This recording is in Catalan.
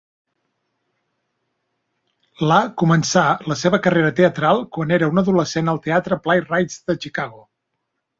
La començar la seva carrera teatral quan era una adolescent al Teatre Playwrights de Chicago.